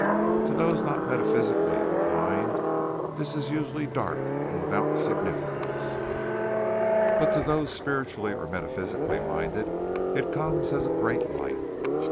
To those not metaphysically inclined, this is usually dark and without significance, but to those spiritually or metaphysically minded it comes as a great light.